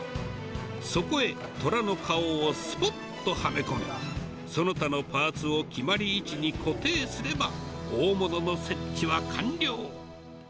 そこへトラの顔をすぽっとはめ込むその他のパーツを決まり位置に固定すれば、大物の設置は完了。